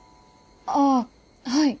ああはい。